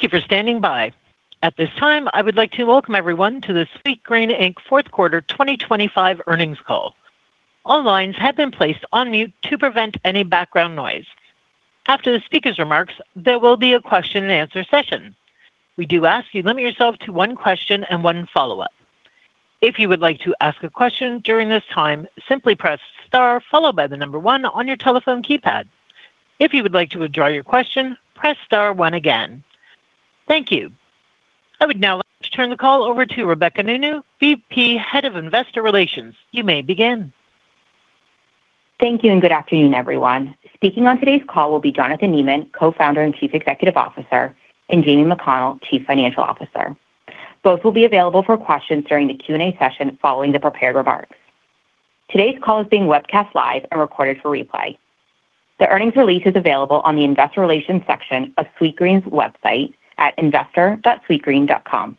Thank you for standing by. At this time, I would like to welcome everyone to the Sweetgreen, Inc. fourth quarter 2025 earnings call. All lines have been placed on mute to prevent any background noise. After the speaker's remarks, there will be a question and answer session. We do ask you limit yourself to one question and one follow-up. If you would like to ask a question during this time, simply press star followed by the number one on your telephone keypad. If you would like to withdraw your question, press star one again. Thank you. I would now like to turn the call over to Rebecca Nounou, VP, Head of Investor Relations. You may begin. Thank you and good afternoon, everyone. Speaking on today's call will be Jonathan Neman, Co-founder and Chief Executive Officer, and Jamie McConnell, Chief Financial Officer. Both will be available for questions during the Q&A session following the prepared remarks. Today's call is being webcast live and recorded for replay. The earnings release is available on the Investor Relations section of Sweetgreen's website at investor.sweetgreen.com.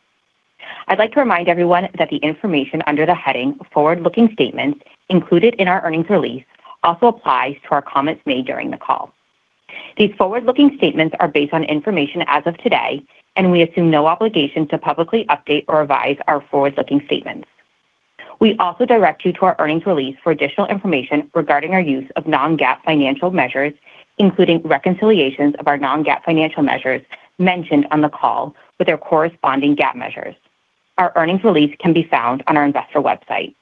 I'd like to remind everyone that the information under the heading Forward-Looking Statements included in our earnings release also applies to our comments made during the call. These forward-looking statements are based on information as of today, and we assume no obligation to publicly update or revise our forward-looking statements. We also direct you to our earnings release for additional information regarding our use of non-GAAP financial measures, including reconciliations of our non-GAAP financial measures mentioned on the call with their corresponding GAAP measures. Our earnings release can be found on our investor website.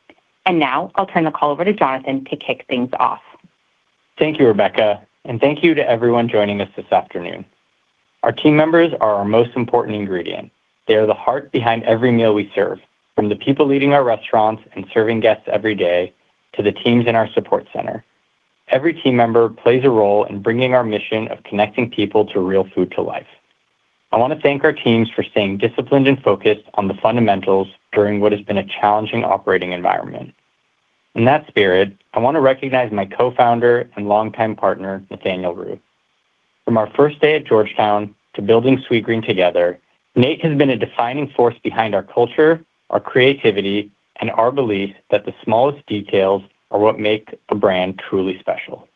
Now I'll turn the call over to Jonathan to kick things off. Thank you, Rebecca, and thank you to everyone joining us this afternoon. Our team members are our most important ingredient. They are the heart behind every meal we serve, from the people leading our restaurants and serving guests every day to the teams in our support center. Every team member plays a role in bringing our mission of connecting people to real food to life. I want to thank our teams for staying disciplined and focused on the fundamentals during what has been a challenging operating environment. In that spirit, I want to recognize my co-founder and longtime partner, Nathaniel Ru. From our first day at Georgetown to building Sweetgreen together, Nate has been a defining force behind our culture, our creativity, and our belief that the smallest details are what make a brand truly special.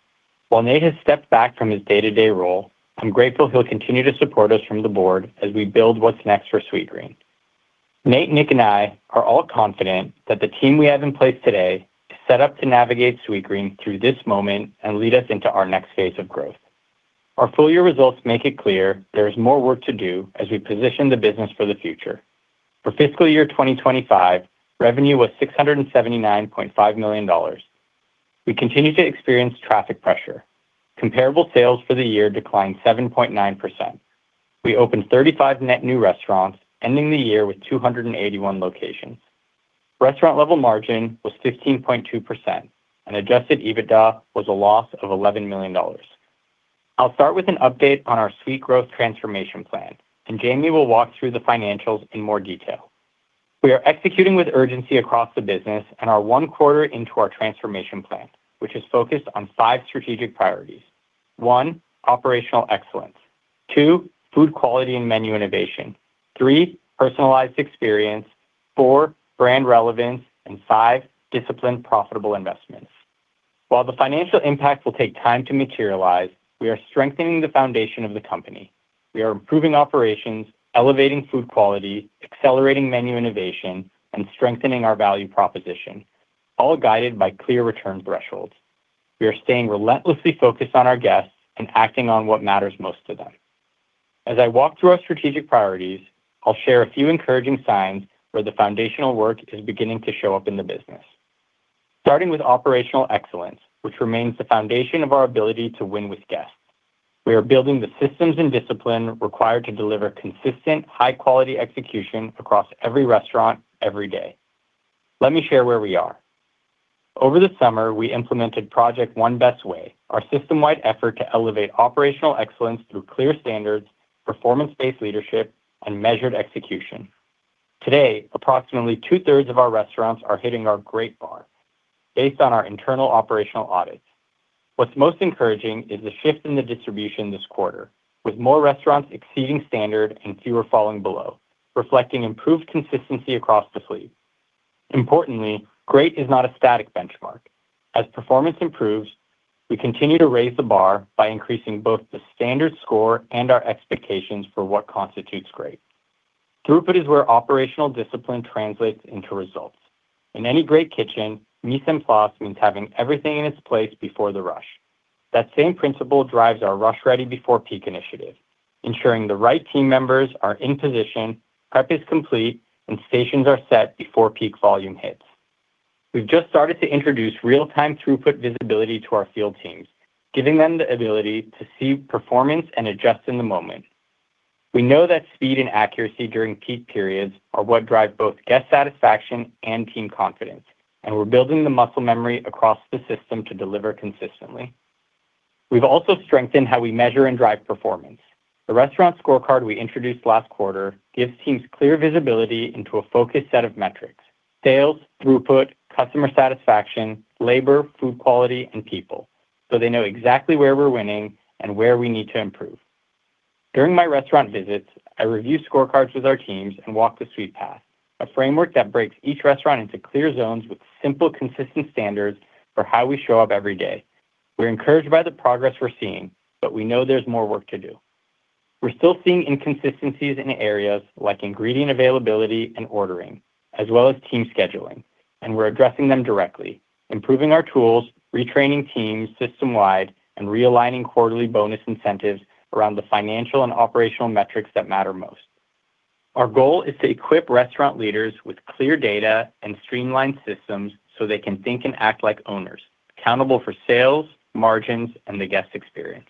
While Nate has stepped back from his day-to-day role, I'm grateful he'll continue to support us from the board as we build what's next for Sweetgreen. Nate, Nick, and I are all confident that the team we have in place today is set up to navigate Sweetgreen through this moment and lead us into our next phase of growth. Our full year results make it clear there is more work to do as we position the business for the future. For fiscal year 2025, revenue was $679.5 million. We continue to experience traffic pressure. Comparable sales for the year declined 7.9%. We opened 35 net new restaurants, ending the year with 281 locations. Restaurant level margin was 15.2%. Adjusted EBITDA was a loss of $11 million. I'll start with an update on our Sweet Growth Transformation Plan, and Jamie will walk through the financials in more detail. We are executing with urgency across the business and are one quarter into our transformation plan, which is focused on five strategic priorities. one, operational excellence. two, food quality and menu innovation. Three, personalized experience. Four, brand relevance. five, disciplined, profitable investments. While the financial impact will take time to materialize, we are strengthening the foundation of the company. We are improving operations, elevating food quality, accelerating menu innovation, and strengthening our value proposition, all guided by clear return thresholds. We are staying relentlessly focused on our guests and acting on what matters most to them. As I walk through our strategic priorities, I'll share a few encouraging signs where the foundational work is beginning to show up in the business. Starting with operational excellence, which remains the foundation of our ability to win with guests. We are building the systems and discipline required to deliver consistent, high quality execution across every restaurant, every day. Let me share where we are. Over the summer, we implemented Project One Best Way, our system-wide effort to elevate operational excellence through clear standards, performance-based leadership, and measured execution. Today, approximately 2/3 of our restaurants are hitting our great bar based on our internal operational audits. What's most encouraging is the shift in the distribution this quarter, with more restaurants exceeding standard and fewer falling below, reflecting improved consistency across the fleet. Importantly, great is not a static benchmark. As performance improves, we continue to raise the bar by increasing both the standard score and our expectations for what constitutes great. Throughput is where operational discipline translates into results. In any great kitchen, mise en place means having everything in its place before the rush. That same principle drives our Rush Ready Before Peak initiative, ensuring the right team members are in position, prep is complete, and stations are set before peak volume hits. We've just started to introduce real-time throughput visibility to our field teams, giving them the ability to see performance and adjust in the moment. We know that speed and accuracy during peak periods are what drive both guest satisfaction and team confidence, and we're building the muscle memory across the system to deliver consistently. We've also strengthened how we measure and drive performance. The restaurant scorecard we introduced last quarter gives teams clear visibility into a focused set of metrics, sales, throughput, customer satisfaction, labor, food quality, and people, so they know exactly where we're winning and where we need to improve. During my restaurant visits, I review scorecards with our teams and walk the Sweet Path, a framework that breaks each restaurant into clear zones with simple, consistent standards for how we show up every day. We're encouraged by the progress we're seeing, but we know there's more work to do. We're still seeing inconsistencies in areas like ingredient availability and ordering, as well as team scheduling, and we're addressing them directly, improving our tools, retraining teams system-wide, and realigning quarterly bonus incentives around the financial and operational metrics that matter most. Our goal is to equip restaurant leaders with clear data and streamlined systems so they can think and act like owners, accountable for sales, margins, and the guest experience.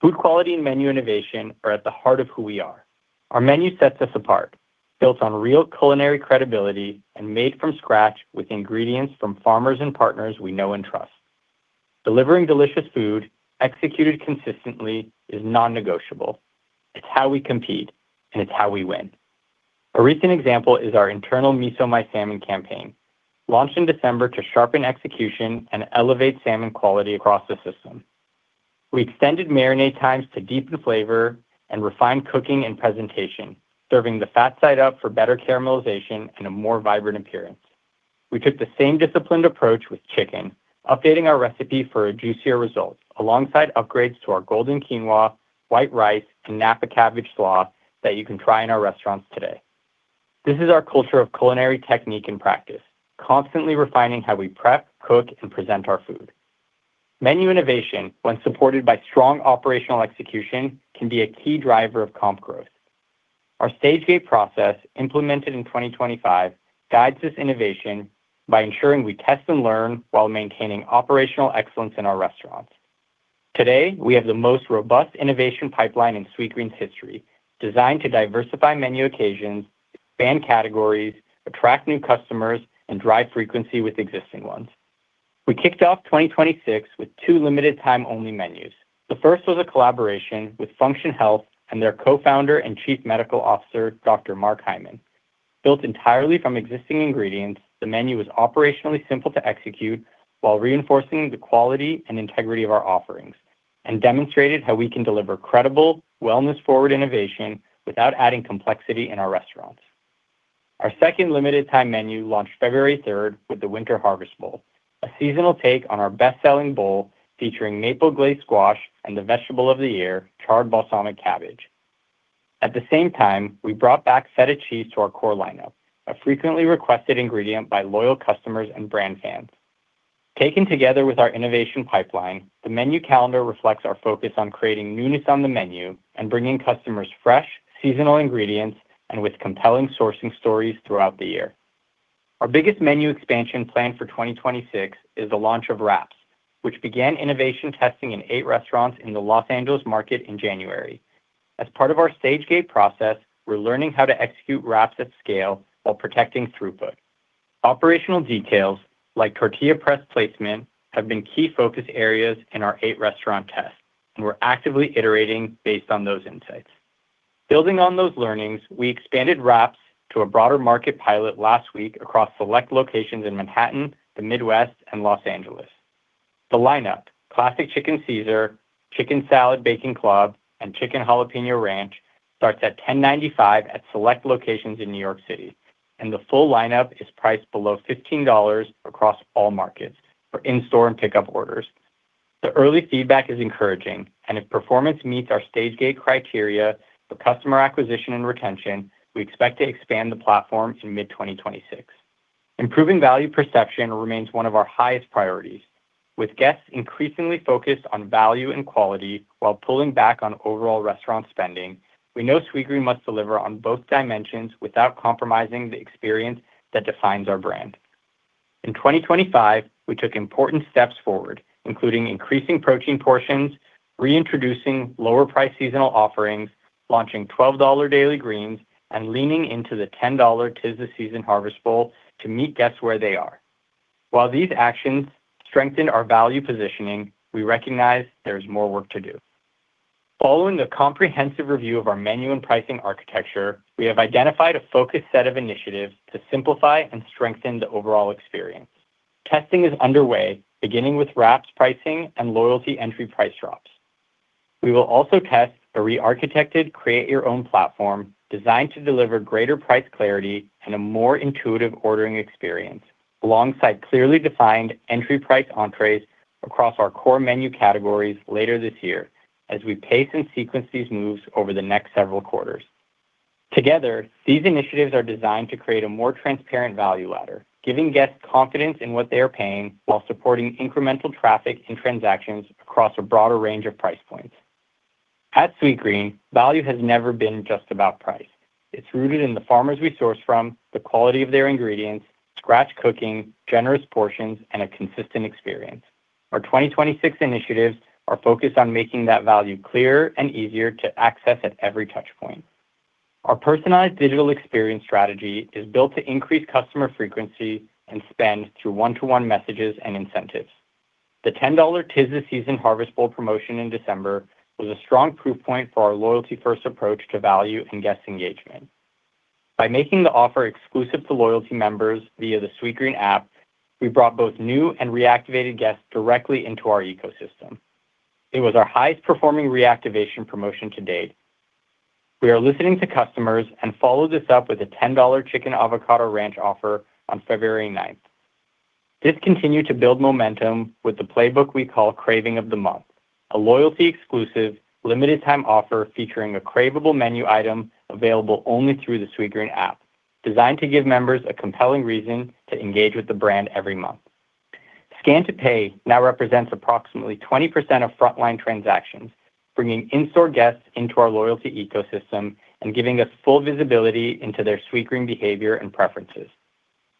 Food quality and menu innovation are at the heart of who we are. Our menu sets us apart, built on real culinary credibility and made from scratch with ingredients from farmers and partners we know and trust. Delivering delicious food, executed consistently, is non-negotiable. It's how we compete, and it's how we win. A recent example is our internal Miso My Salmon campaign, launched in December to sharpen execution and elevate salmon quality across the system. We extended marinade times to deepen flavor and refined cooking and presentation, serving the fat side up for better caramelization and a more vibrant appearance. We took the same disciplined approach with chicken, updating our recipe for a juicier result, alongside upgrades to our golden quinoa, white rice, and napa cabbage slaw that you can try in our restaurants today. This is our culture of culinary technique and practice, constantly refining how we prep, cook, and present our food. Menu innovation, when supported by strong operational execution, can be a key driver of comp growth. Our Stage-Gate process, implemented in 2025, guides this innovation by ensuring we test and learn while maintaining operational excellence in our restaurants. Today, we have the most robust innovation pipeline in Sweetgreen's history, designed to diversify menu occasions, expand categories, attract new customers, and drive frequency with existing ones. We kicked off 2026 with two limited time only menus. The first was a collaboration with Function Health and their Co-Founder and Chief Medical Officer, Dr. Mark Hyman. Built entirely from existing ingredients, the menu was operationally simple to execute while reinforcing the quality and integrity of our offerings, and demonstrated how we can deliver credible, wellness-forward innovation without adding complexity in our restaurants. Our second limited time menu launched February third with the Winter Harvest Bowl, a seasonal take on our best-selling bowl featuring maple glazed squash and the vegetable of the year, charred balsamic cabbage. At the same time, we brought back feta cheese to our core lineup, a frequently requested ingredient by loyal customers and brand fans. Taken together with our innovation pipeline, the menu calendar reflects our focus on creating newness on the menu and bringing customers fresh, seasonal ingredients, and with compelling sourcing stories throughout the year. Our biggest menu expansion plan for 2026 is the launch of wraps, which began innovation testing in eight restaurants in the Los Angeles market in January. As part of our stage-gate process, we're learning how to execute wraps at scale while protecting throughput. Operational details, like tortilla press placement, have been key focus areas in our eight-restaurant test. We're actively iterating based on those insights. Building on those learnings, we expanded wraps to a broader market pilot last week across select locations in Manhattan, the Midwest, and Los Angeles. The lineup, Classic Chicken Caesar, Chicken Salad Bacon Club, and Chicken Jalapeño Ranch, starts at $10.95 at select locations in New York City. The full lineup is priced below $15 across all markets for in-store and pickup orders. The early feedback is encouraging. If performance meets our stage-gate criteria for customer acquisition and retention, we expect to expand the platform in mid 2026. Improving value perception remains one of our highest priorities. With guests increasingly focused on value and quality while pulling back on overall restaurant spending, we know Sweetgreen must deliver on both dimensions without compromising the experience that defines our brand. In 2025, we took important steps forward, including increasing protein portions, reintroducing lower-priced seasonal offerings, launching $12 Daily Greens, and leaning into the $10 ‘Tis the Seasoned Harvest Bowl to meet guests where they are. While these actions strengthen our value positioning, we recognize there is more work to do. Following a comprehensive review of our menu and pricing architecture, we have identified a focused set of initiatives to simplify and strengthen the overall experience. Testing is underway, beginning with wraps pricing and loyalty entry price drops. We will also test a rearchitected Create Your Own platform designed to deliver greater price clarity and a more intuitive ordering experience, alongside clearly defined entry price entrees across our core menu categories later this year as we pace and sequence these moves over the next several quarters. Together, these initiatives are designed to create a more transparent value ladder, giving guests confidence in what they are paying while supporting incremental traffic and transactions across a broader range of price points. At Sweetgreen, value has never been just about price. It's rooted in the farmers we source from, the quality of their ingredients, scratch cooking, generous portions, and a consistent experience. Our 2026 initiatives are focused on making that value clearer and easier to access at every touchpoint. Our personalized digital experience strategy is built to increase customer frequency and spend through one-to-one messages and incentives. The $10 'Tis the Season Harvest Bowl promotion in December was a strong proof point for our loyalty-first approach to value and guest engagement. By making the offer exclusive to loyalty members via the Sweetgreen app, we brought both new and reactivated guests directly into our ecosystem. It was our highest-performing reactivation promotion to date. We are listening to customers and follow this up with a $10 chicken avocado ranch offer on February 9th. This continued to build momentum with the playbook we call Craving of the Month, a loyalty exclusive limited time offer featuring a craveable menu item available only through the Sweetgreen app, designed to give members a compelling reason to engage with the brand every month. Scan to Pay now represents approximately 20% of frontline transactions, bringing in-store guests into our loyalty ecosystem and giving us full visibility into their Sweetgreen behavior and preferences.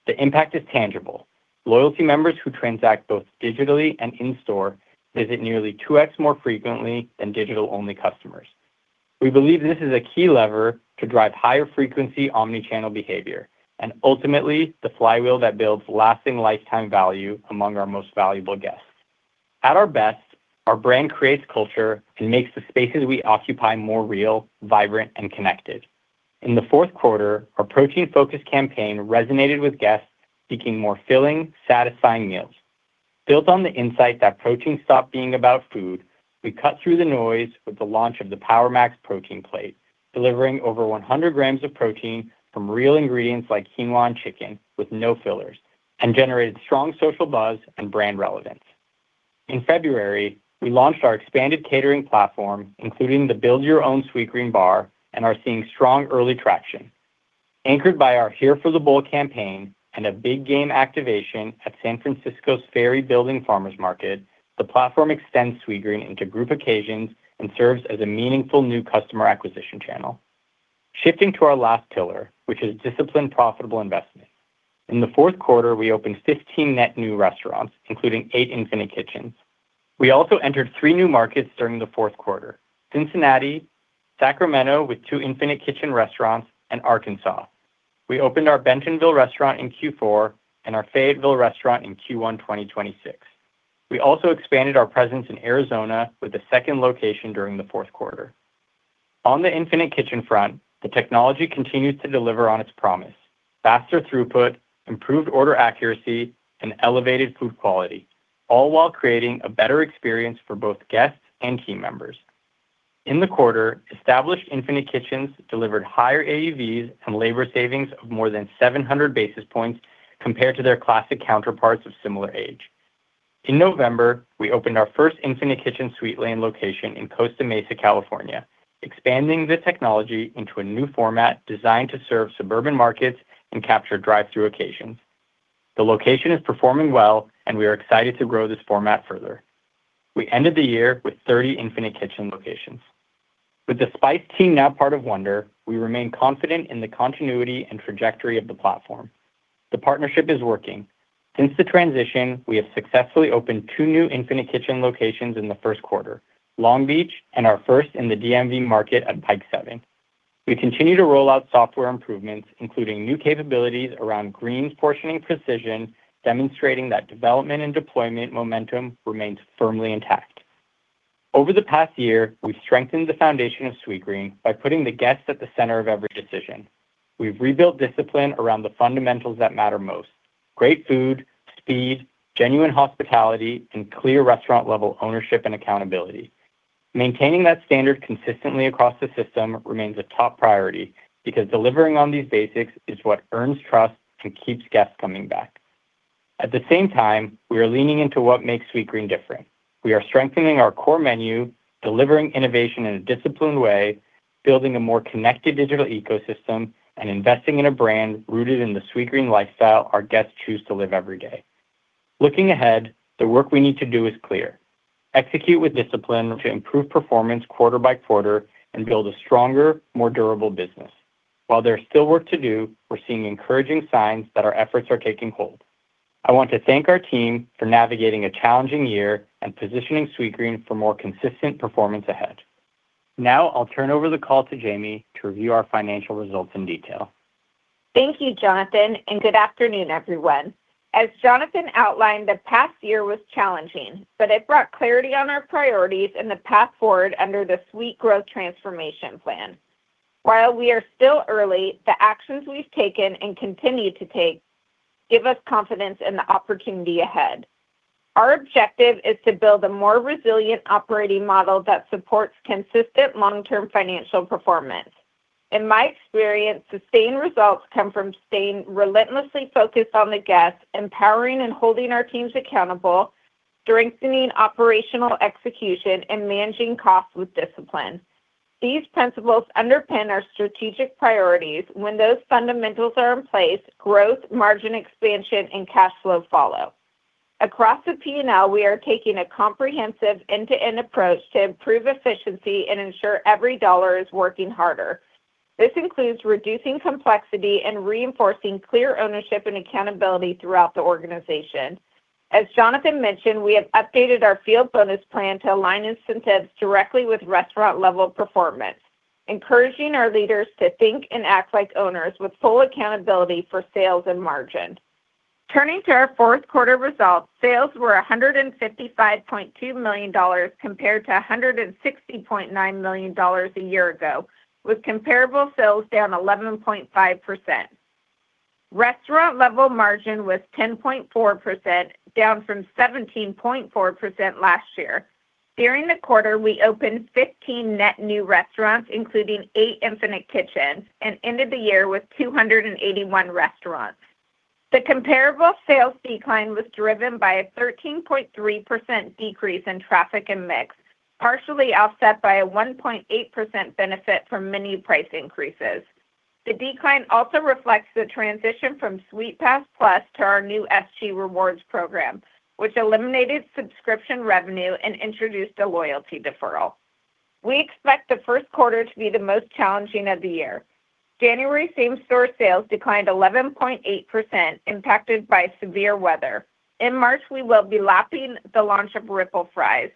The impact is tangible. Loyalty members who transact both digitally and in store visit nearly 2x more frequently than digital-only customers. We believe this is a key lever to drive higher frequency omni-channel behavior and ultimately the flywheel that builds lasting lifetime value among our most valuable guests. At our best, our brand creates culture and makes the spaces we occupy more real, vibrant and connected. In the fourth quarter, our protein-focused campaign resonated with guests seeking more filling, satisfying meals. Built on the insight that protein stopped being about food, we cut through the noise with the launch of the Power Max Protein Plate, delivering over 100 grams of protein from real ingredients like quinoa and chicken with no fillers, and generated strong social buzz and brand relevance. In February, we launched our expanded catering platform, including the Build Your Own Sweetgreen Bar, and are seeing strong early traction. Anchored by our Here for the Bowl campaign and a big game activation at San Francisco’s Ferry Building Farmers Market, the platform extends Sweetgreen into group occasions and serves as a meaningful new customer acquisition channel. Shifting to our last pillar, which is disciplined, profitable investment. In the fourth quarter, we opened 15 net new restaurants, including eight Infinite Kitchens. We also entered three new markets during the fourth quarter: Cincinnati, Sacramento, with two Infinite Kitchen restaurants, and Arkansas. We opened our Bentonville restaurant in Q4 and our Fayetteville restaurant in Q1 2026. We also expanded our presence in Arizona with a second location during the fourth quarter. On the Infinite Kitchen front, the technology continues to deliver on its promise: faster throughput, improved order accuracy, and elevated food quality, all while creating a better experience for both guests and team members. In the quarter, established Infinite Kitchens delivered higher AAVs and labor savings of more than 700 basis points compared to their classic counterparts of similar age. In November, we opened our first Infinite Kitchen sweetlane location in Costa Mesa, California, expanding the technology into a new format designed to serve suburban markets and capture drive-thru occasions. The location is performing well and we are excited to grow this format further. We ended the year with 30 Infinite Kitchen locations. With the Spyce team now part of Wonder, we remain confident in the continuity and trajectory of the platform. The partnership is working. Since the transition, we have successfully opened two new Infinite Kitchen locations in the first quarter: Long Beach and our first in the DMV market at Pike 7. We continue to roll out software improvements, including new capabilities around greens portioning precision, demonstrating that development and deployment momentum remains firmly intact. Over the past year, we've strengthened the foundation of Sweetgreen by putting the guests at the center of every decision. We've rebuilt discipline around the fundamentals that matter most: great food, speed, genuine hospitality, and clear restaurant-level ownership and accountability. Maintaining that standard consistently across the system remains a top priority, because delivering on these basics is what earns trust and keeps guests coming back. At the same time, we are leaning into what makes Sweetgreen different. We are strengthening our core menu, delivering innovation in a disciplined way, building a more connected digital ecosystem, and investing in a brand rooted in the Sweetgreen lifestyle our guests choose to live every day. Looking ahead, the work we need to do is clear. Execute with discipline to improve performance quarter by quarter and build a stronger, more durable business. While there's still work to do, we're seeing encouraging signs that our efforts are taking hold. I want to thank our team for navigating a challenging year and positioning Sweetgreen for more consistent performance ahead. I'll turn over the call to Jamie to review our financial results in detail. Thank you, Jonathan, and good afternoon, everyone. As Jonathan outlined, the past year was challenging, but it brought clarity on our priorities and the path forward under the Sweet Growth Transformation Plan. While we are still early, the actions we've taken and continue to take give us confidence in the opportunity ahead. Our objective is to build a more resilient operating model that supports consistent long-term financial performance. In my experience, sustained results come from staying relentlessly focused on the guest, empowering and holding our teams accountable, strengthening operational execution, and managing costs with discipline. These principles underpin our strategic priorities. When those fundamentals are in place, growth, margin expansion, and cash flow follow. Across the P&L, we are taking a comprehensive end-to-end approach to improve efficiency and ensure every dollar is working harder. This includes reducing complexity and reinforcing clear ownership and accountability throughout the organization. As Jonathan mentioned, we have updated our field bonus plan to align incentives directly with restaurant-level performance, encouraging our leaders to think and act like owners with full accountability for sales and margin. Turning to our fourth quarter results, sales were $155.2 million compared to $160.9 million a year ago, with comparable sales down 11.5%. Restaurant level margin was 10.4%, down from 17.4% last year. During the quarter, we opened 15 net new restaurants, including eight Infinite Kitchens, and ended the year with 281 restaurants. The comparable sales decline was driven by a 13.3% decrease in traffic and mix, partially offset by a 1.8% benefit from menu price increases. The decline also reflects the transition from Sweetpass+ to our new SG Rewards program, which eliminated subscription revenue and introduced a loyalty deferral. We expect the first quarter to be the most challenging of the year. January same-store sales declined 11.8% impacted by severe weather. In March, we will be lapping the launch of Ripple Fries.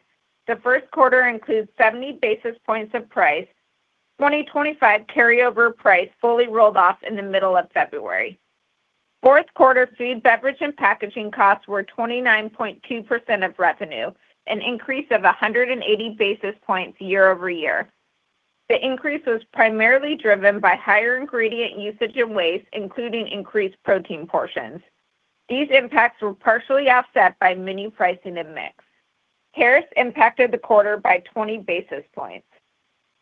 The first quarter includes 70 basis points of price. 2025 carryover price fully rolled off in the middle of February. Fourth quarter food, beverage, and packaging costs were 29.2% of revenue, an increase of 180 basis points year-over-year. The increase was primarily driven by higher ingredient usage and waste, including increased protein portions. These impacts were partially offset by menu pricing and mix. Tarrifs impacted the quarter by 20 basis points.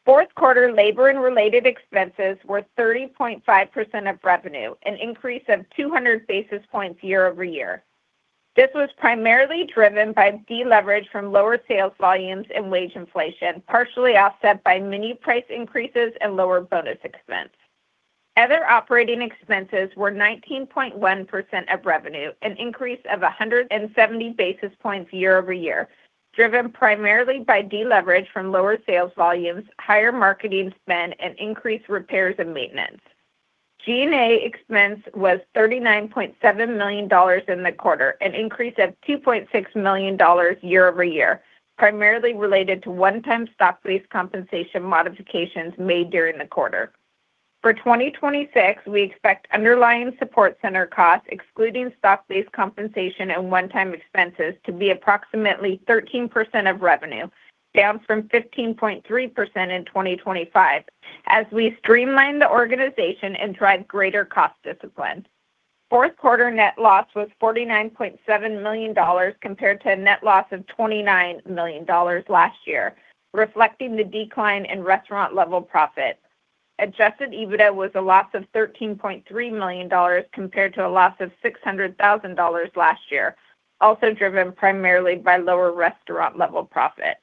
Fourth quarter labor and related expenses were 30.5% of revenue, an increase of 200 basis points year-over-year. This was primarily driven by deleverage from lower sales volumes and wage inflation, partially offset by menu price increases and lower bonus expense. Other operating expenses were 19.1% of revenue, an increase of 170 basis points year-over-year, driven primarily by deleverage from lower sales volumes, higher marketing spend, and increased repairs and maintenance. G&A expense was $39.7 million in the quarter, an increase of $2.6 million year-over-year, primarily related to one-time stock-based compensation modifications made during the quarter. For 2026, we expect underlying support center costs, excluding stock-based compensation and one-time expenses, to be approximately 13% of revenue, down from 15.3% in 2025 as we streamline the organization and drive greater cost discipline. Fourth quarter net loss was $49.7 million compared to a net loss of $29 million last year, reflecting the decline in restaurant-level profit. Adjusted EBITDA was a loss of $13.3 million compared to a loss of $600,000 last year, also driven primarily by lower restaurant-level profit.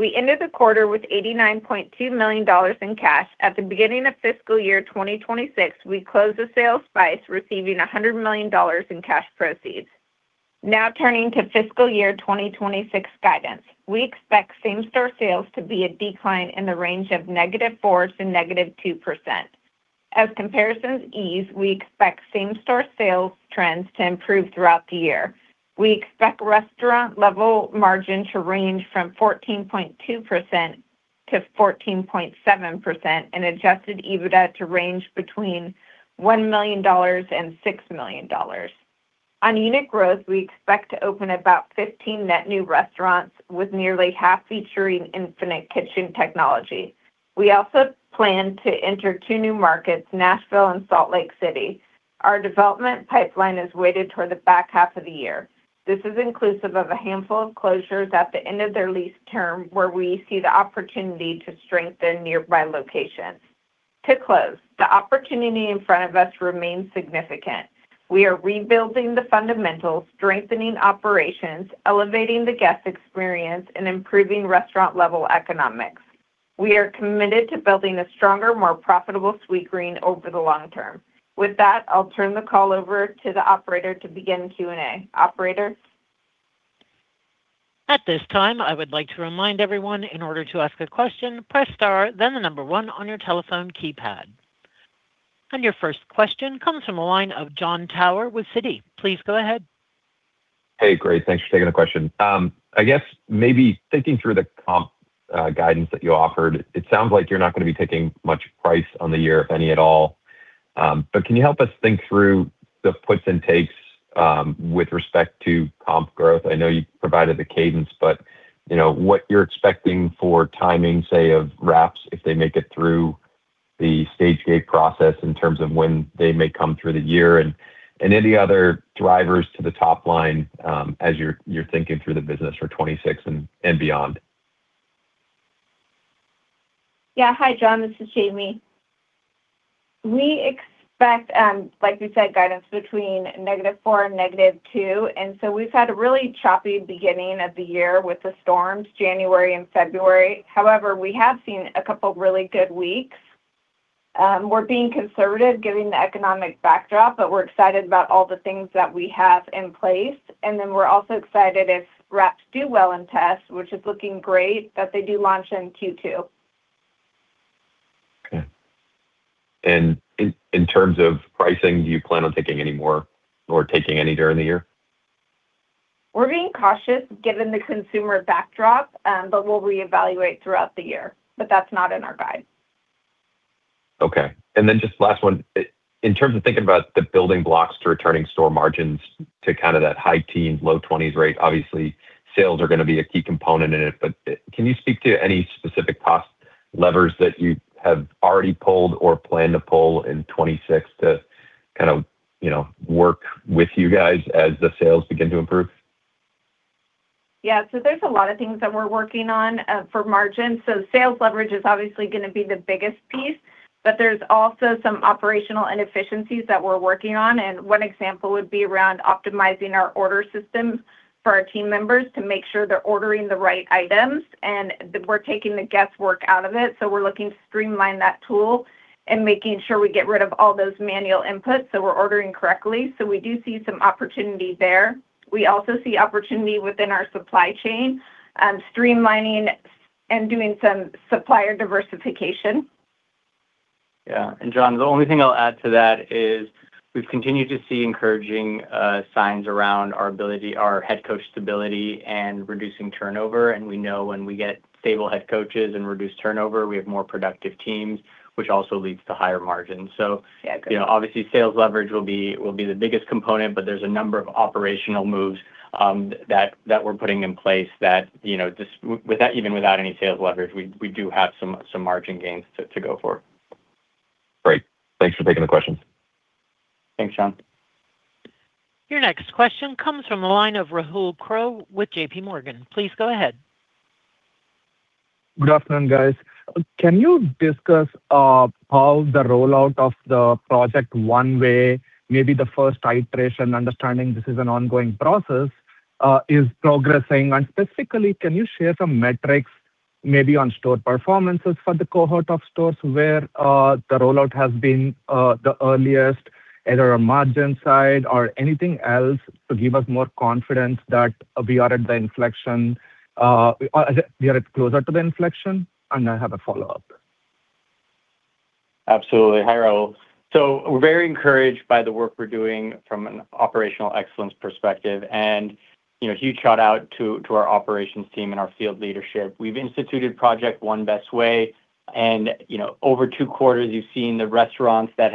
We ended the quarter with $89.2 million in cash. At the beginning of fiscal year 2026, we closed the sale of Spyce, receiving $100 million in cash proceeds. Turning to fiscal year 2026 guidance. We expect same-store sales to be a decline in the range of -4% to -2%. As comparisons ease, we expect same-store sales trends to improve throughout the year. We expect restaurant-level margin to range from 14.2%-14.7% and Adjusted EBITDA to range between $1 million and $6 million. On unit growth, we expect to open about 15 net new restaurants with nearly half featuring Infinite Kitchen technology. We also plan to enter 2 new markets, Nashville and Salt Lake City. Our development pipeline is weighted toward the back half of the year. This is inclusive of a handful of closures at the end of their lease term, where we see the opportunity to strengthen nearby locations. To close, the opportunity in front of us remains significant. We are rebuilding the fundamentals, strengthening operations, elevating the guest experience, and improving restaurant-level economics. We are committed to building a stronger, more profitable Sweetgreen over the long term. With that, I'll turn the call over to the Operator to begin Q&A. Operator? At this time, I would like to remind everyone in order to ask a question, press star then 1 on your telephone keypad. Your first question comes from a line of Jon Tower with Citi. Please go ahead. Hey, great. Thanks for taking the question. I guess maybe thinking through the comp guidance that you offered, it sounds like you're not gonna be taking much price on the year, if any, at all. Can you help us think through the puts and takes with respect to comp growth? I know you provided the cadence, but you know what you're expecting for timing, say, of wraps if they make it through the stage-gate process in terms of when they may come through the year and any other drivers to the top line as you're thinking through the business for 2026 and beyond. Yeah. Hi, Jon. This is Jamie. We expect, like we said, guidance between -4% and -2%. We've had a really choppy beginning of the year with the storms January and February. However, we have seen a couple of really good weeks. We're being conservative given the economic backdrop. We're excited about all the things that we have in place. We're also excited if wraps do well in tests, which is looking great, that they do launch in Q2. Okay. In terms of pricing, do you plan on taking any more or taking any during the year? We're being cautious given the consumer backdrop. We'll reevaluate throughout the year. That's not in our guide. Okay. Then just last one. In terms of thinking about the building blocks to returning store margins to kind of that high teens, low 20s% rate, obviously sales are gonna be a key component in it, but can you speak to any specific cost? Levers that you have already pulled or plan to pull in 2026 to kind of, you know, work with you guys as the sales begin to improve? Yeah. There's a lot of things that we're working on for margin. Sales leverage is obviously gonna be the biggest piece, but there's also some operational inefficiencies that we're working on. One example would be around optimizing our order systems for our team members to make sure they're ordering the right items and that we're taking the guesswork out of it. We're looking to streamline that tool and making sure we get rid of all those manual inputs, so we're ordering correctly. We do see some opportunity there. We also see opportunity within our supply chain, streamlining and doing some supplier diversification. Yeah. Jon, the only thing I'll add to that is we've continued to see encouraging signs around our ability, our head coach stability and reducing turnover. We know when we get stable head coaches and reduced turnover, we have more productive teams, which also leads to higher margins. Yeah. Good... you know, obviously sales leverage will be the biggest component, but there's a number of operational moves that we're putting in place that, you know, just even without any sales leverage, we do have some margin gains to go for. Great. Thanks for taking the questions. Thanks, Jon. Your next question comes from the line of Rahul Krotthapalli with JPMorgan. Please go ahead. Good afternoon, guys. Can you discuss how the rollout of the Project One Best Way, maybe the first iteration, understanding this is an ongoing process, is progressing? Specifically, can you share some metrics maybe on store performances for the cohort of stores where the rollout has been the earliest, either a margin side or anything else to give us more confidence that we are closer to the inflection? I have a follow-up. Absolutely. Hi, Rahul. We're very encouraged by the work we're doing from an operational excellence perspective. You know, huge shout out to our operations team and our field leadership. We've instituted Project One Best Way, and, you know, over two quarters, you've seen the restaurants that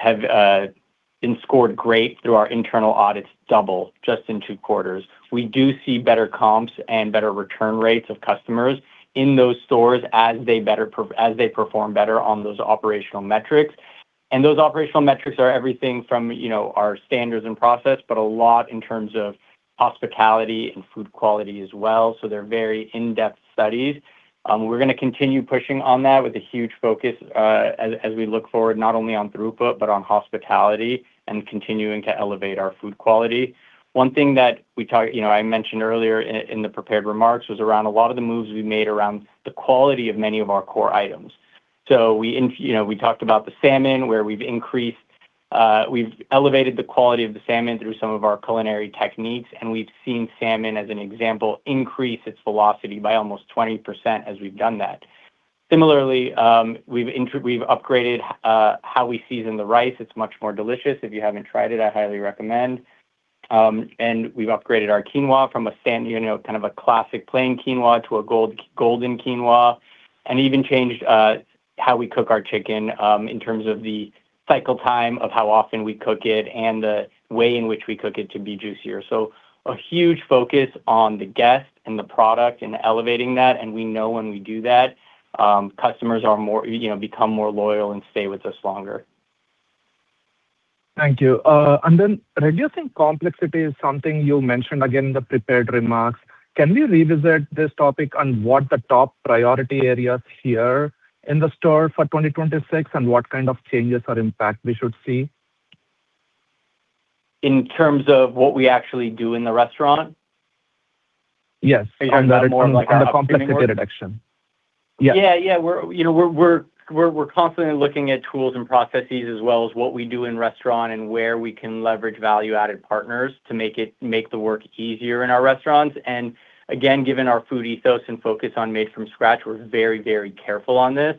have been scored great through our internal audits double just in two quarters. We do see better comps and better return rates of customers in those stores as they perform better on those operational metrics. Those operational metrics are everything from, you know, our standards and process, but a lot in terms of hospitality and food quality as well. They're very in-depth studies. We're gonna continue pushing on that with a huge focus as we look forward not only on throughput, but on hospitality and continuing to elevate our food quality. One thing that we talk, you know, I mentioned earlier in the prepared remarks was around a lot of the moves we've made around the quality of many of our core items. We, you know, we talked about the salmon, where we've increased, we've elevated the quality of the salmon through some of our culinary techniques, and we've seen salmon, as an example, increase its velocity by almost 20% as we've done that. Similarly, we've upgraded how we season the rice. It's much more delicious. If you haven't tried it, I highly recommend. We've upgraded our quinoa from a sand, you know, kind of a classic plain quinoa to a gold-golden quinoa, and even changed how we cook our chicken in terms of the cycle time of how often we cook it and the way in which we cook it to be juicier. A huge focus on the guest and the product and elevating that, and we know when we do that, customers are more, you know, become more loyal and stay with us longer. Thank you. Reducing complexity is something you mentioned again in the prepared remarks. Can we revisit this topic on what the top priority areas here in the store for 2026 and what kind of changes or impact we should see? In terms of what we actually do in the restaurant? Yes. Are you talking about more like an app standpoint? On the complexity reduction. Yeah. Yeah. Yeah. We're, you know, we're constantly looking at tools and processes as well as what we do in restaurant and where we can leverage value-added partners to make the work easier in our restaurants. Again, given our food ethos and focus on made from scratch, we're very, very careful on this.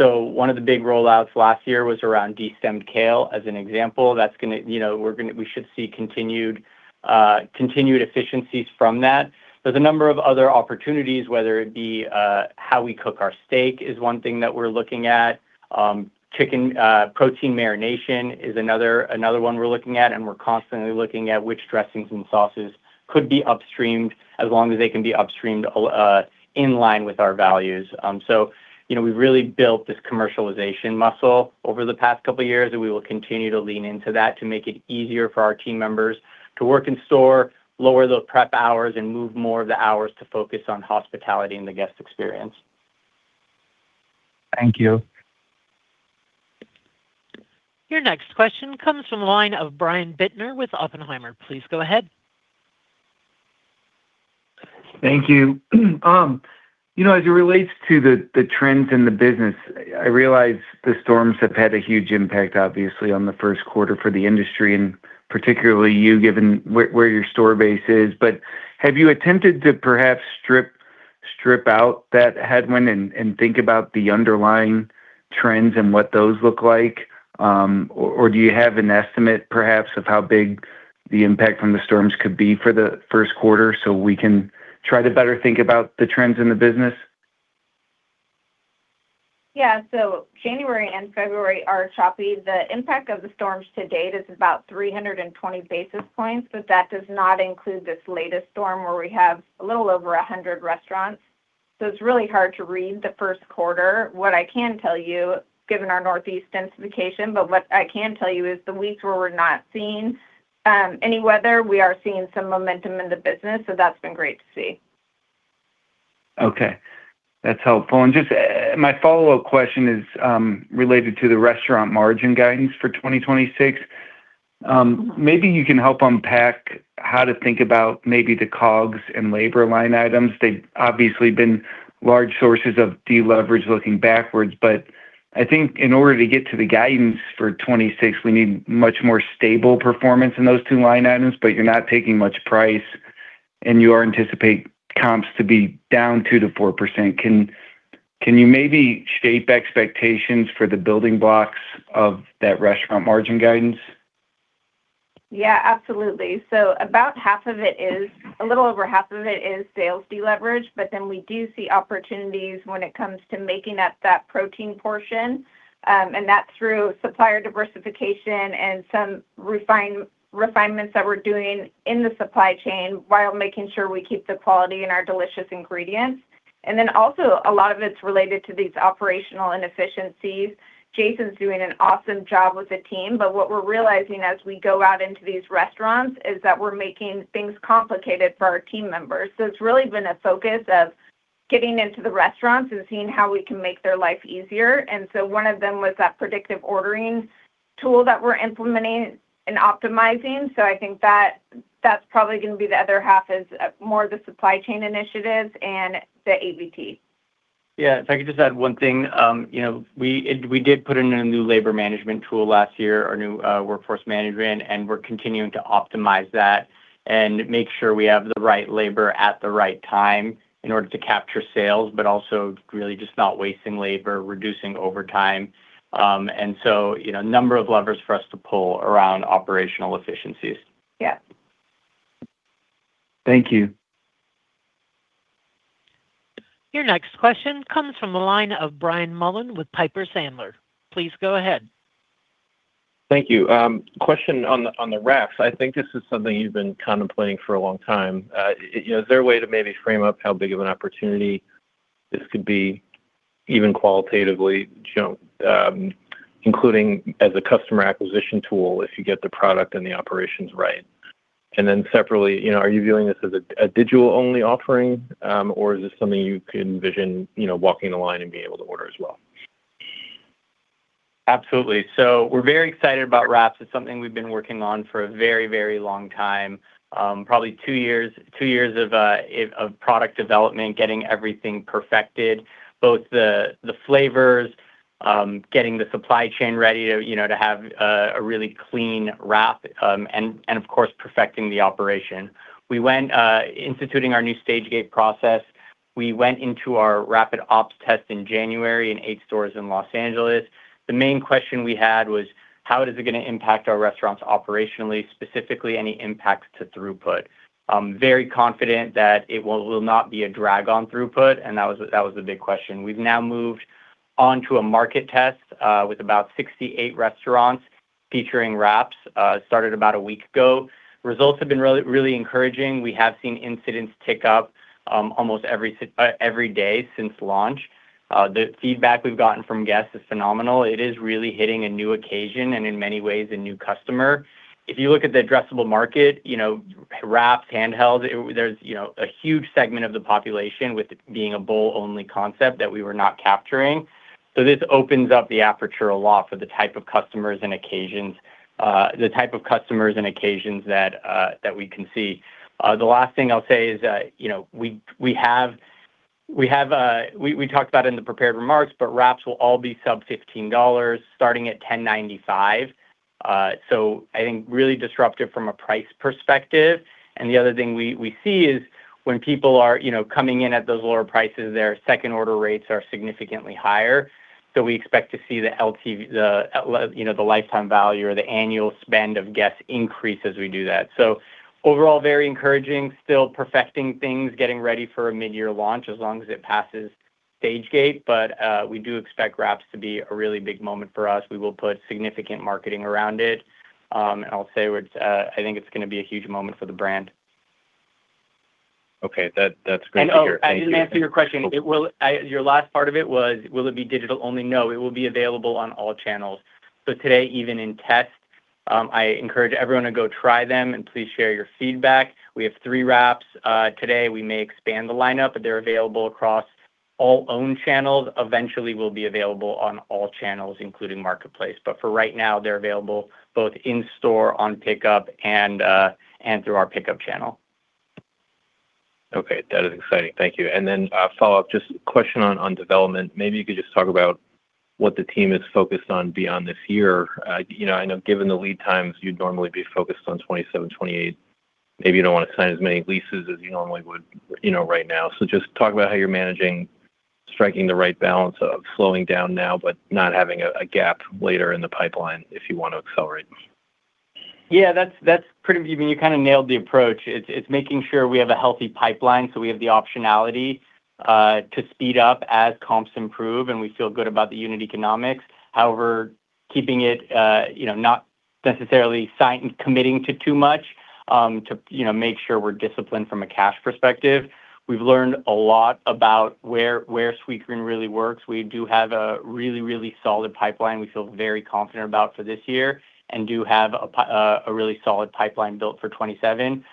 One of the big rollouts last year was around de-stemmed kale as an example. That's going to, you know, we should see continued efficiencies from that. There's a number of other opportunities, whether it be how we cook our steak is one thing that we're looking at. Chicken, protein marination is another one we're looking at, and we're constantly looking at which dressings and sauces could be upstreamed as long as they can be upstreamed in line with our values. You know, we've really built this commercialization muscle over the past couple of years, and we will continue to lean into that to make it easier for our team members to work in store, lower those prep hours, and move more of the hours to focus on hospitality and the guest experience. Thank you. Your next question comes from the line of Brian Bittner with Oppenheimer. Please go ahead. Thank you. you know, as it relates to the trends in the business, I realize the storms have had a huge impact, obviously, on the first quarter for the industry, and particularly you, given where your store base is. Have you attempted to perhaps strip out that headwind and think about the underlying trends and what those look like? or do you have an estimate perhaps of how big the impact from the storms could be for the first quarter so we can try to better think about the trends in the business? Yeah. January and February are choppy. The impact of the storms to date is about 320 basis points, but that does not include this latest storm where we have a little over 100 restaurants. It's really hard to read the 1st quarter. What I can tell you, given our Northeast densification, but what I can tell you is the weeks where we're not seeing any weather, we are seeing some momentum in the business. That's been great to see. Okay. That's helpful. Just my follow-up question is related to the restaurant margin guidance for 2026. Maybe you can help unpack how to think about maybe the COGS and labor line items. They've obviously been large sources of deleverage looking backwards. I think in order to get to the guidance for 2026, we need much more stable performance in those two line items, but you're not taking much price, and you are anticipate comps to be down 2%-4%. Can you maybe shape expectations for the building blocks of that restaurant margin guidance? Absolutely. About half of it is a little over half of it is sales deleverage, we do see opportunities when it comes to making up that protein portion. That's through supplier diversification and some refinements that we're doing in the supply chain while making sure we keep the quality in our delicious ingredients. Also a lot of it's related to these operational inefficiencies. Jason's doing an awesome job with the team, what we're realizing as we go out into these restaurants is that we're making things complicated for our team members. It's really been a focus of getting into the restaurants and seeing how we can make their life easier. One of them was that predictive ordering tool that we're implementing and optimizing. I think that that's probably gonna be the other half is, more of the supply chain initiatives and the EBIT. Yeah. If I could just add one thing. you know, we did put in a new labor management tool last year, our new, workforce management, and we're continuing to optimize that and make sure we have the right labor at the right time in order to capture sales, but also really just not wasting labor, reducing overtime. you know, a number of levers for us to pull around operational efficiencies. Yeah. Thank you. Your next question comes from the line of Brian Mullan with Piper Sandler. Please go ahead. Thank you. Question on the, on the wraps. I think this is something you've been contemplating for a long time. You know, is there a way to maybe frame up how big of an opportunity this could be even qualitatively, you know, including as a customer acquisition tool if you get the product and the operations right? Then separately, you know, are you viewing this as a digital only offering, or is this something you can envision, you know, walking the line and being able to order as well? Absolutely. We're very excited about wraps. It's something we've been working on for a very, very long time, probably 2 years of product development, getting everything perfected, both the flavors, getting the supply chain ready to, you know, to have a really clean wrap, and of course, perfecting the operation. We went instituting our new stage-gate process. We went into our rapid ops test in January in eight stores in Los Angeles. The main question we had was, how is it gonna impact our restaurants operationally, specifically any impact to throughput. I'm very confident that it will not be a drag on throughput, and that was the big question. We've now moved onto a market test with about 68 restaurants featuring wraps, started about a week ago. Results have been really, really encouraging. We have seen incidents tick up, almost every day since launch. The feedback we've gotten from guests is phenomenal. It is really hitting a new occasion, and in many ways, a new customer. If you look at the addressable market, you know, wrapped, handheld, there's, you know, a huge segment of the population with it being a bowl-only concept that we were not capturing. This opens up the aperture a lot for the type of customers and occasions, the type of customers and occasions that we can see. The last thing I'll say is that, you know, we have talked about in the prepared remarks, but wraps will all be sub $15, starting at $10.95. I think really disruptive from a price perspective. The other thing we see is when people are, you know, coming in at those lower prices, their second order rates are significantly higher. We expect to see the LTV, the, you know, the lifetime value or the annual spend of guests increase as we do that. Overall, very encouraging, still perfecting things, getting ready for a midyear launch as long as it passes stage-gate. We do expect wraps to be a really big moment for us. We will put significant marketing around it. I'll say it's, I think it's gonna be a huge moment for the brand. Okay. That's great to hear. Thank you. Oh, I didn't answer your question. Your last part of it was, will it be digital only? No, it will be available on all channels. Today, even in test, I encourage everyone to go try them, and please share your feedback. We have three wraps today. We may expand the lineup, but they're available across all own channels. Eventually, will be available on all channels, including Marketplace. For right now, they're available both in store, on pickup, and through our pickup channel. Okay. That is exciting. Thank you. Then a follow-up, just question on development. Maybe you could just talk about what the team is focused on beyond this year. You know, I know given the lead times, you'd normally be focused on 2027, 2028. Maybe you don't wanna sign as many leases as you normally would, you know, right now. Just talk about how you're managing striking the right balance of slowing down now but not having a gap later in the pipeline if you want to accelerate. Yeah, that's pretty. You mean you kinda nailed the approach. It's making sure we have a healthy pipeline, so we have the optionality to speed up as comps improve, and we feel good about the unit economics. However, keeping it, you know, not necessarily committing to too much, to, you know, make sure we're disciplined from a cash perspective. We've learned a lot about where Sweetgreen really works. We do have a really solid pipeline we feel very confident about for this year and do have a really solid pipeline built for 2027.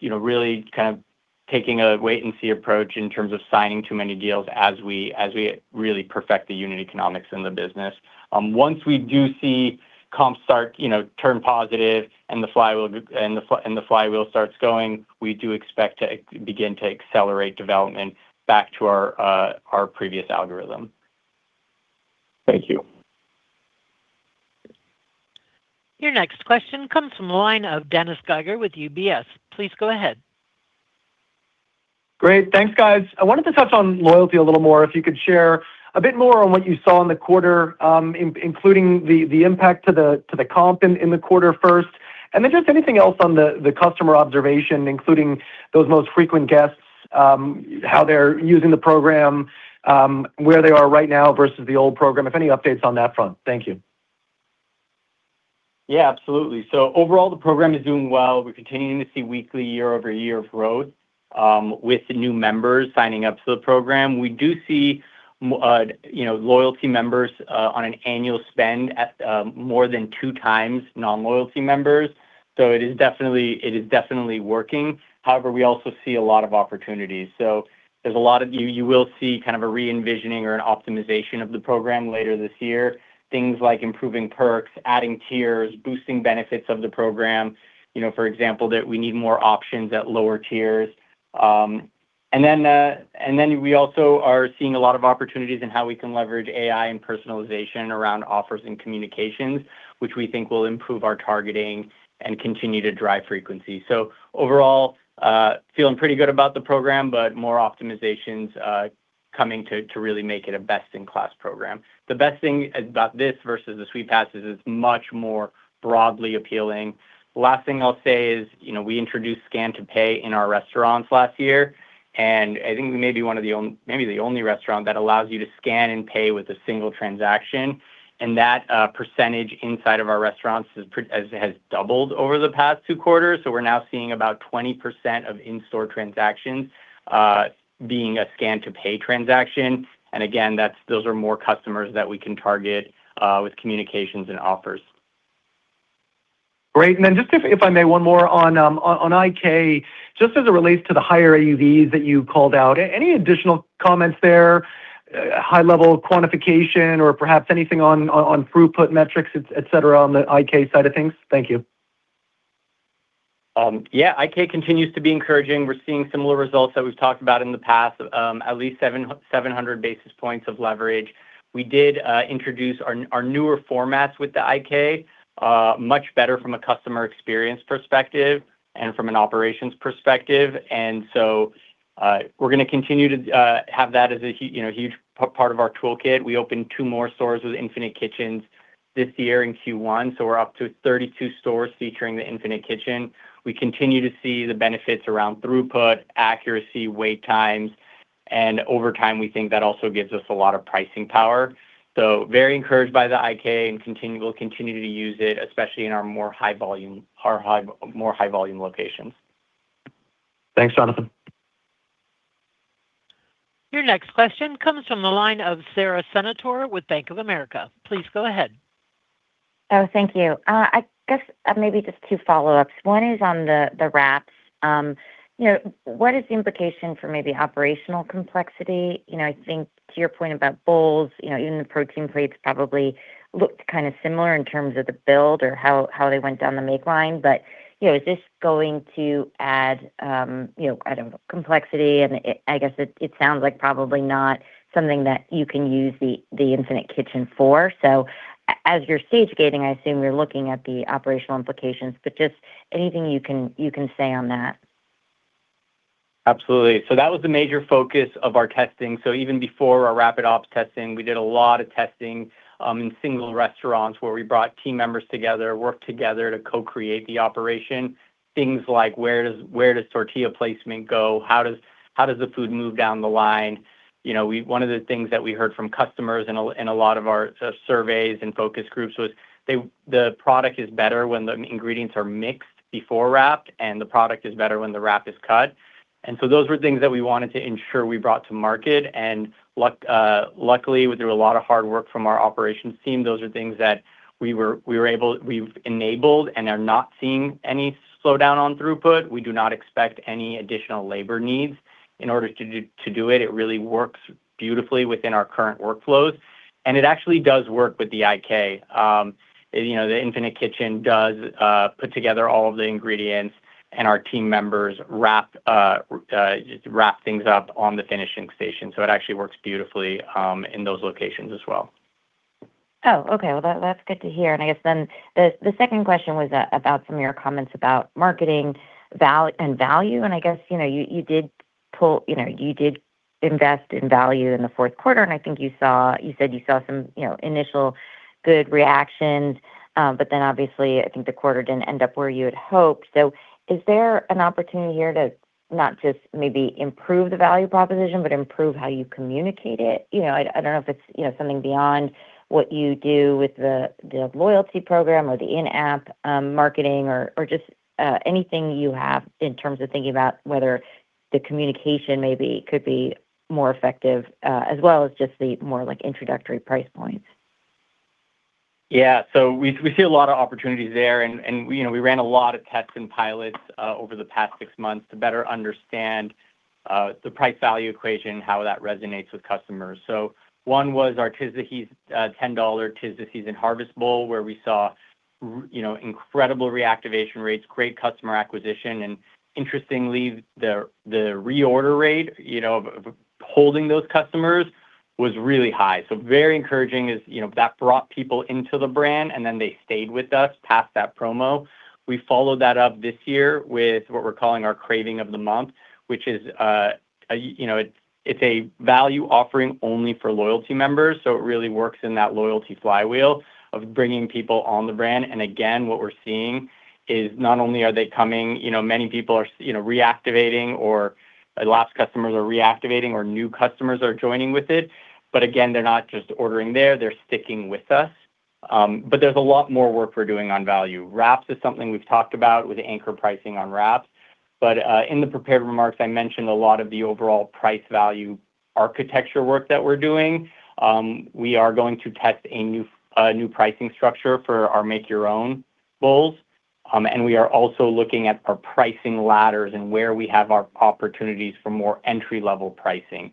You know, really kind of taking a wait and see approach in terms of signing too many deals as we really perfect the unit economics in the business. Once we do see comps start, you know, turn positive and the flywheel starts going, we do expect to begin to accelerate development back to our previous algorithm. Thank you. Your next question comes from the line of Dennis Geiger with UBS. Please go ahead. Great. Thanks, guys. I wanted to touch on loyalty a little more. If you could share a bit more on what you saw in the quarter, including the impact to the comp in the quarter first. Then just anything else on the customer observation, including those most frequent guests, how they're using the program, where they are right now versus the old program. If any updates on that front. Thank you. Yeah, absolutely. Overall, the program is doing well. We're continuing to see weekly year-over-year growth with the new members signing up to the program. We do see, you know, loyalty members on an annual spend at more than two times non-loyalty members. It is definitely working. However, we also see a lot of opportunities. There's a lot of you will see kind of a re-envisioning or an optimization of the program later this year. Things like improving perks, adding tiers, boosting benefits of the program, you know, for example, that we need more options at lower tiers. And then we also are seeing a lot of opportunities in how we can leverage AI and personalization around offers and communications, which we think will improve our targeting and continue to drive frequency. Overall, feeling pretty good about the program, but more optimizations coming to really make it a best in class program. The best thing about this versus the Sweet Passes is much more broadly appealing. Last thing I'll say is, you know, we introduced Scan to Pay in our restaurants last year, I think we may be one of the maybe the only restaurant that allows you to Scan to Pay with a single transaction. That percentage inside of our restaurants has doubled over the past two quarters. We're now seeing about 20% of in-store transactions, being a Scan to Pay transaction. Again, that's those are more customers that we can target with communications and offers. Great. Then just if I may, one more on IK, just as it relates to the higher AUVs that you called out. Any additional comments there, high level quantification or perhaps anything on throughput metrics, et cetera, on the IK side of things? Thank you. Yeah, IK continues to be encouraging. We're seeing similar results that we've talked about in the past, at least 700 basis points of leverage. We did introduce our newer formats with the IK, much better from a customer experience perspective and from an operations perspective. We're gonna continue to have that as a you know, huge part of our toolkit. We opened two more stores with Infinite Kitchens this year in Q1, so we're up to 32 stores featuring the Infinite Kitchen. We continue to see the benefits around throughput, accuracy, wait times, and over time, we think that also gives us a lot of pricing power. Very encouraged by the IK and we'll continue to use it, especially in our more high volume, more high volume locations. Thanks, Jonathan. Your next question comes from the line of Sara Senatore with Bank of America. Please go ahead. Thank you. I guess, maybe just two follow-ups. One is on the wraps. You know, what is the implication for maybe operational complexity? You know, I think to your point about bowls, you know, even the protein plates probably looked kinda similar in terms of the build or how they went down the make line. You know, is this going to add, you know, I don't know, complexity? I guess it sounds like probably not something that you can use the Infinite Kitchen for. As you're stage gating, I assume you're looking at the operational implications, but just anything you can say on that. Absolutely. That was the major focus of our testing. Even before our Rapid Ops testing, we did a lot of testing in single restaurants where we brought team members together, worked together to co-create the operation. Things like where does tortilla placement go? How does the food move down the line? You know, one of the things that we heard from customers in a lot of our surveys and focus groups was the product is better when the ingredients are mixed before wrapped, and the product is better when the wrap is cut. Those were things that we wanted to ensure we brought to market. Luckily, through a lot of hard work from our operations team, those are things that we've enabled and are not seeing any slowdown on throughput. We do not expect any additional labor needs in order to do it. It really works beautifully within our current workflows. It actually does work with the IK. You know, the Infinite Kitchen does put together all of the ingredients, and our team members wrap things up on the finishing station. It actually works beautifully in those locations as well. Oh, okay. Well, that's good to hear. I guess then the second question was about some of your comments about marketing and value. I guess, you know, you did pull, you know, you did invest in value in the fourth quarter, and I think you said you saw some, you know, initial good reactions. Obviously, I think the quarter didn't end up where you had hoped. Is there an opportunity here to not just maybe improve the value proposition, but improve how you communicate it? You know, I don't know if it's, you know, something beyond what you do with the loyalty program or the in-app marketing or just anything you have in terms of thinking about whether the communication maybe could be more effective, as well as just the more, like, introductory price points. Yeah. We, we see a lot of opportunities there and we, you know, we ran a lot of tests and pilots over the past six months to better understand the price value equation, how that resonates with customers. One was our $10 'Tis the Seasoned Harvest Bowl, where we saw you know, incredible reactivation rates, great customer acquisition. Interestingly, the reorder rate, you know, of holding those customers was really high. Very encouraging is, you know, that brought people into the brand, and then they stayed with us past that promo. We followed that up this year with what we're calling our Craving of the Month, which is, a you know, it's a value offering only for loyalty members. It really works in that loyalty flywheel of bringing people on the brand. Again, what we're seeing is not only are they coming, you know, many people are, you know, reactivating or lapsed customers are reactivating or new customers are joining with it. Again, they're not just ordering there, they're sticking with us. There's a lot more work we're doing on value. Wraps is something we've talked about with anchor pricing on wraps. In the prepared remarks, I mentioned a lot of the overall price value architecture work that we're doing. We are going to test a new pricing structure for our make your own bowls. We are also looking at our pricing ladders and where we have our opportunities for more entry-level pricing.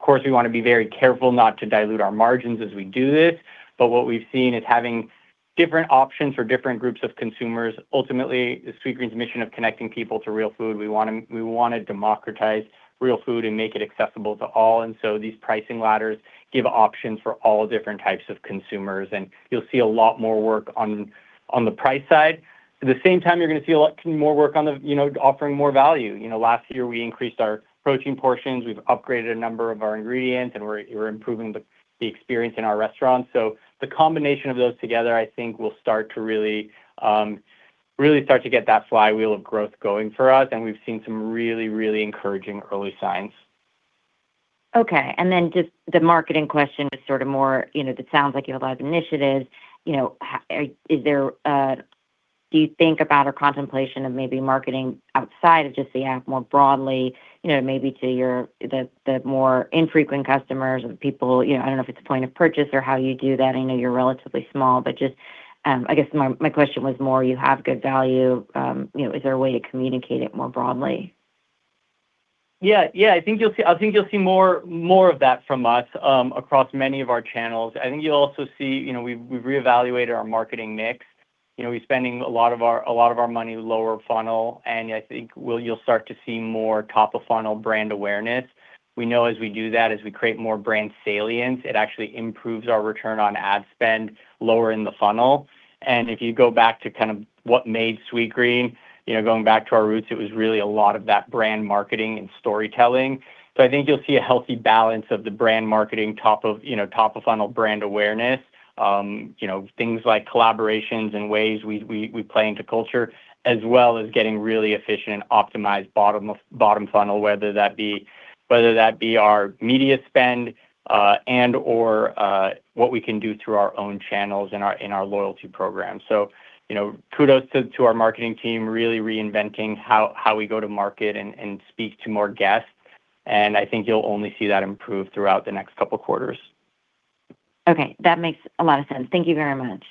Of course, we wanna be very careful not to dilute our margins as we do this, but what we've seen is having different options for different groups of consumers. Ultimately, Sweetgreen's mission of connecting people to real food, we wanna democratize real food and make it accessible to all. These pricing ladders give options for all different types of consumers, and you'll see a lot more work on the price side. At the same time, you're gonna see a lot more work on the, you know, offering more value. You know, last year we increased our protein portions. We've upgraded a number of our ingredients, and we're improving the experience in our restaurants. The combination of those together, I think will start to really start to get that flywheel of growth going for us. We've seen some really, really encouraging early signs. Okay. Just the marketing question was sort of more, you know, it sounds like you have a lot of initiatives. You know, is there, do you think about a contemplation of maybe marketing outside of just the app more broadly, you know, maybe to your, the more infrequent customers or the people, you know, I don't know if it's a point of purchase or how you do that. I know you're relatively small. Just, I guess my question was more you have good value, you know, is there a way to communicate it more broadly? Yeah. Yeah. I think you'll see more of that from us across many of our channels. I think you'll also see, you know, we've reevaluated our marketing mix. You know, we're spending a lot of our money lower funnel. I think you'll start to see more top-of-funnel brand awareness. We know as we do that, as we create more brand salience, it actually improves our return on ad spend lower in the funnel. If you go back to kind of what made Sweetgreen, you know, going back to our roots, it was really a lot of that brand marketing and storytelling. I think you'll see a healthy balance of the brand marketing top of, you know, top-of-funnel brand awareness. you know, things like collaborations and ways we play into culture as well as getting really efficient and optimized bottom funnel, whether that be our media spend, and/or, what we can do through our own channels in our loyalty program. you know, kudos to our marketing team, really reinventing how we go to market and speak to more guests. I think you'll only see that improve throughout the next couple quarters. Okay. That makes a lot of sense. Thank you very much.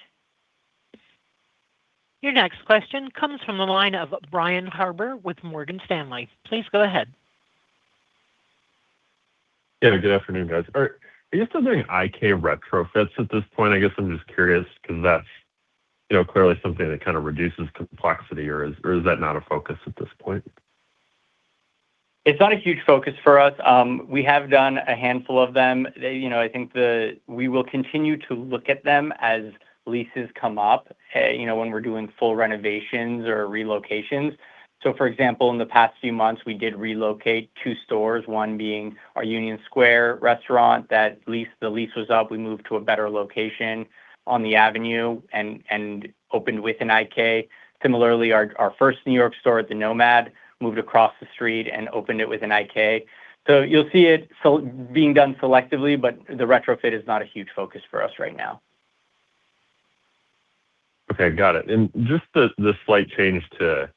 Your next question comes from the line of Brian Harbour with Morgan Stanley. Please go ahead. Yeah. Good afternoon, guys. Are you still doing IK retrofits at this point? I guess I'm just curious 'cause that's, you know, clearly something that kind of reduces complexity or is that not a focus at this point? It's not a huge focus for us. We have done a handful of them. They, you know, we will continue to look at them as leases come up, you know, when we're doing full renovations or relocations. For example, in the past few months, we did relocate two stores, one being our Union Square restaurant, the lease was up. We moved to a better location on the avenue and opened with an IK. Similarly, our first New York store at the NoMad moved across the street and opened it with an IK. You'll see it being done selectively, but the retrofit is not a huge focus for us right now. Okay. Got it. Just the slight change to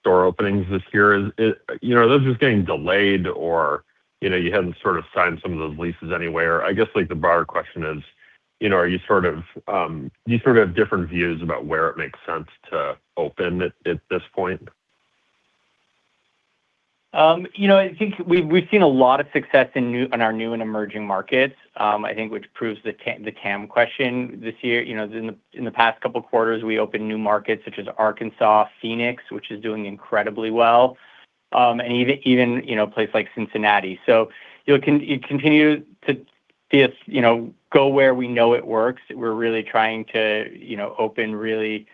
store openings this year. Is, you know, are those just getting delayed or, you know, you hadn't sort of signed some of those leases anywhere. I guess, like, the broader question is, you know, are you sort of, do you sort of have different views about where it makes sense to open at this point? You know, I think we've seen a lot of success in new, in our new and emerging markets, I think which proves the TAM question this year. You know, in the past couple quarters, we opened new markets such as Arkansas, Phoenix, which is doing incredibly well, and even, you know, a place like Cincinnati. You'll continue to go where we know it works. We're really trying to, you know, open really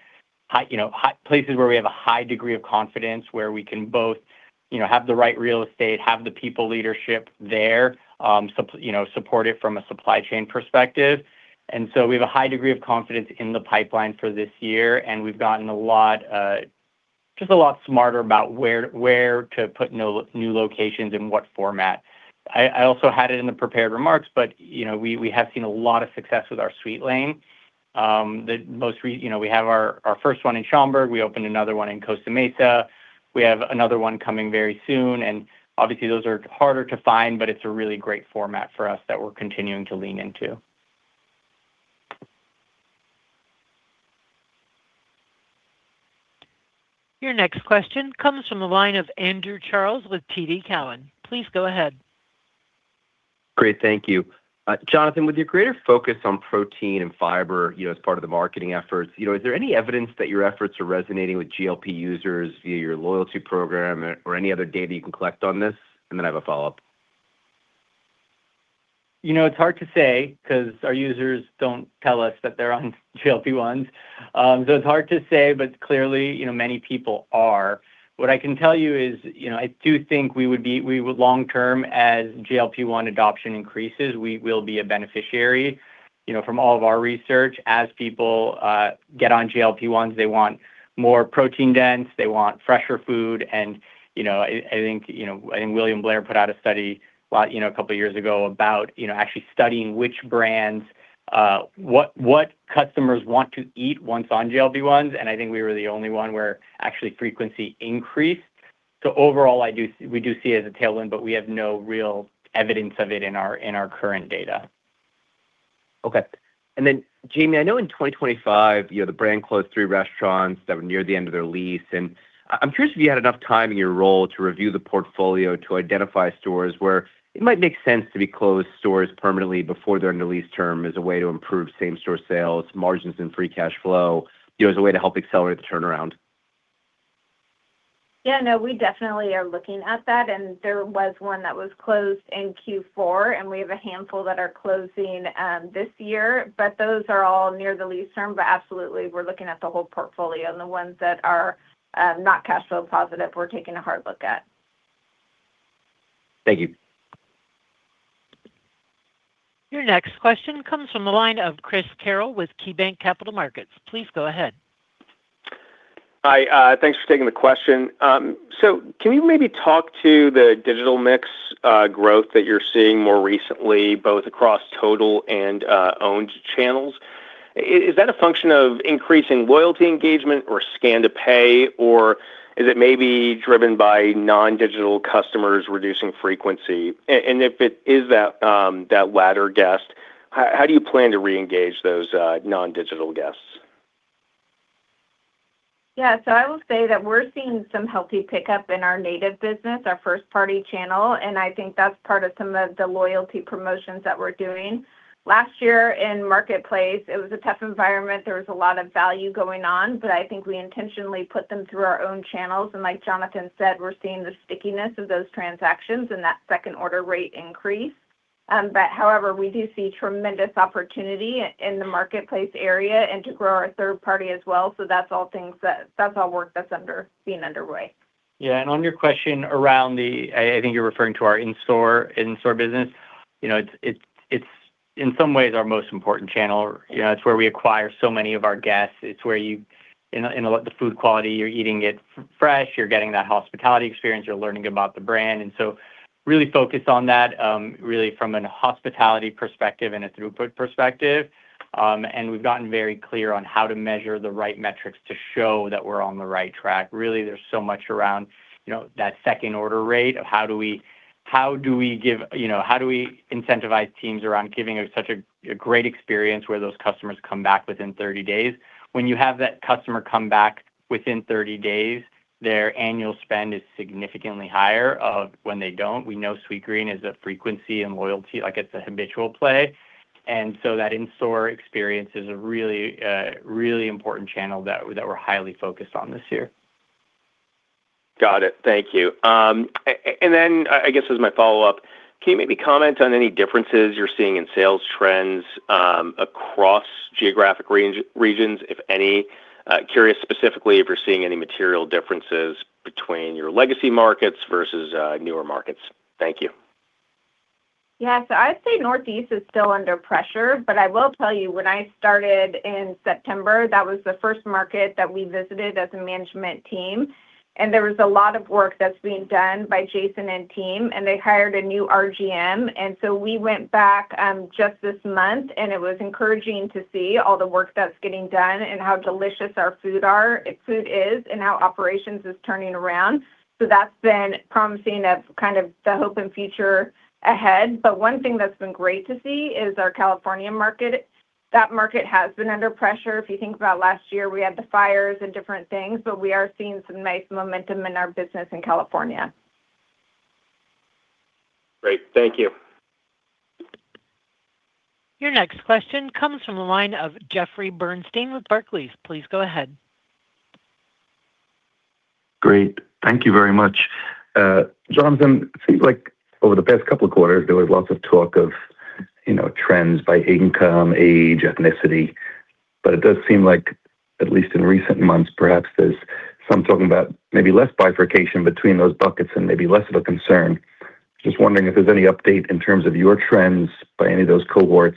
high, you know, places where we have a high degree of confidence where we can both, you know, have the right real estate, have the people leadership there, you know, support it from a supply chain perspective. We have a high degree of confidence in the pipeline for this year, and we've gotten a lot, just a lot smarter about where to put new locations in what format. I also had it in the prepared remarks, but, you know, we have seen a lot of success with our Sweetlane. The most you know, we have our first one in Schaumburg. We opened another one in Costa Mesa. We have another one coming very soon. Obviously, those are harder to find, but it's a really great format for us that we're continuing to lean into. Your next question comes from the line of Andrew Charles with TD Cowen. Please go ahead. Great. Thank you. Jonathan, with your greater focus on protein and fiber, you know, as part of the marketing efforts, you know, is there any evidence that your efforts are resonating with GLP users via your loyalty program or any other data you can collect on this? I have a follow-up. You know, it's hard to say 'cause our users don't tell us that they're on GLP-1s. It's hard to say, but clearly, you know, many people are. What I can tell you is, you know, I do think we would long term as GLP-1 adoption increases, we will be a beneficiary. You know, from all of our research, as people get on GLP-1s, they want more protein dense, they want fresher food, and, you know, I think, you know, William Blair put out a study a couple years ago about, you know, actually studying which brands, what customers want to eat once on GLP-1s, and I think we were the only one where actually frequency increased. Overall, we do see it as a tailwind, but we have no real evidence of it in our current data. Okay. Jamie, I know in 2025, you know, the brand closed three restaurants that were near the end of their lease. I'm curious if you had enough time in your role to review the portfolio to identify stores where it might make sense to be closed stores permanently before they're under lease term as a way to improve same-store sales, margins and free cash flow, you know, as a way to help accelerate the turnaround. Yeah, no, we definitely are looking at that. There was one that was closed in Q4. We have a handful that are closing this year. Those are all near the lease term. Absolutely we're looking at the whole portfolio and the ones that are not cash flow positive, we're taking a hard look at. Thank you. Your next question comes from the line of Chris Carril with KeyBanc Capital Markets. Please go ahead. Hi. Thanks for taking the question. Can you maybe talk to the digital mix growth that you're seeing more recently, both across total and owned channels? Is that a function of increasing loyalty engagement or Scan to Pay, or is it maybe driven by non-digital customers reducing frequency? If it is that latter guest, how do you plan to reengage those non-digital guests? I will say that we're seeing some healthy pickup in our native business, our first party channel, and I think that's part of some of the loyalty promotions that we're doing. Last year in Marketplace, it was a tough environment. There was a lot of value going on, but I think we intentionally put them through our own channels. Like Jonathan said, we're seeing the stickiness of those transactions and that second order rate increase. However, we do see tremendous opportunity in the Marketplace area and to grow our third party as well. That's all work that's underway. Yeah. On your question around, I think you're referring to our in-store business. You know, it's in some ways our most important channel. You know, it's where we acquire so many of our guests. It's where you, in the food quality, you're eating it fresh, you're getting that hospitality experience, you're learning about the brand. Really focused on that, really from a hospitality perspective and a throughput perspective. We've gotten very clear on how to measure the right metrics to show that we're on the right track. Really, there's so much around, you know, that second order rate of how do we give, you know, how do we incentivize teams around giving such a great experience where those customers come back within 30 days? When you have that customer come back within 30 days, their annual spend is significantly higher of when they don't. We know Sweetgreen is a frequency and loyalty, like it's a habitual play. That in-store experience is a really, really important channel that we're highly focused on this year. Got it. Thank you. I guess as my follow-up, can you maybe comment on any differences you're seeing in sales trends across geographic regions, if any? Curious specifically if you're seeing any material differences between your legacy markets versus newer markets? Thank you. Yeah. I'd say Northeast is still under pressure, but I will tell you when I started in September, that was the first market that we visited as a management team. There was a lot of work that's being done by Jason and team, and they hired a new RGM. We went back just this month, and it was encouraging to see all the work that's getting done and how delicious our food is and how operations is turning around. That's been promising of kind of the hope and future ahead. One thing that's been great to see is our California market. That market has been under pressure. If you think about last year, we had the fires and different things, we are seeing some nice momentum in our business in California. Great. Thank you. Your next question comes from the line of Jeffrey Bernstein with Barclays. Please go ahead. Great. Thank you very much. Jonathan, it seems like over the past couple of quarters, there was lots of talk of, you know, trends by income, age, ethnicity. It does seem like, at least in recent months, perhaps there's some talking about maybe less bifurcation between those buckets and maybe less of a concern. Just wondering if there's any update in terms of your trends by any of those cohorts.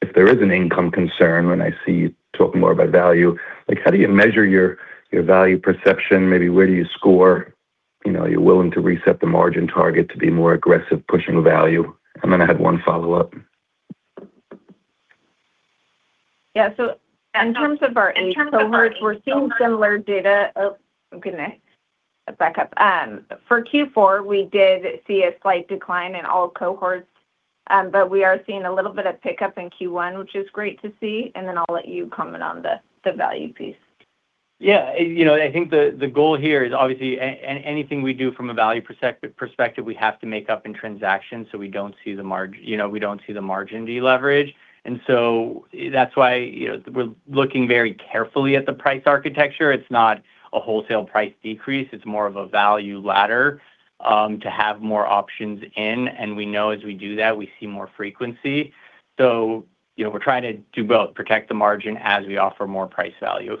If there is an income concern, when I see you talking more about value, like, how do you measure your value perception? Maybe where do you score? You know, are you willing to reset the margin target to be more aggressive pushing the value? Then I had one follow-up. Yeah. In terms of our in cohorts, we're seeing similar data of... I'm gonna back up. For Q4, we did see a slight decline in all cohorts, but we are seeing a little bit of pickup in Q1, which is great to see. I'll let you comment on the value piece. Yeah. You know, I think the goal here is obviously anything we do from a value perspective, we have to make up in transactions, so we don't see the margin, you know, we don't see the margin deleverage. That's why, you know, we're looking very carefully at the price architecture. It's not a wholesale price decrease, it's more of a value ladder to have more options in, and we know as we do that, we see more frequency. You know, we're trying to do both, protect the margin as we offer more price value.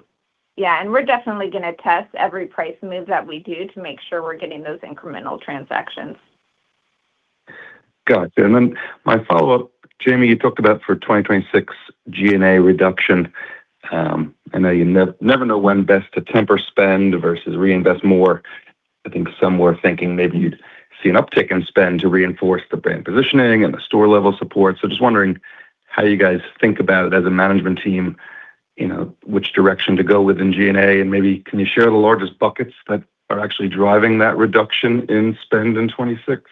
Yeah. We're definitely gonna test every price move that we do to make sure we're getting those incremental transactions. Gotcha. My follow-up, Jamie, you talked about for 2026 G&A reduction. I know you never know when best to temper spend versus reinvest more. I think some were thinking maybe you'd see an uptick in spend to reinforce the brand positioning and the store level support. Just wondering how you guys think about it as a management team, you know, which direction to go within G&A, and maybe can you share the largest buckets that are actually driving that reduction in spend in 2026?